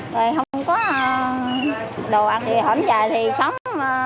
rồi không có đồ ăn thì hốm dài thì sống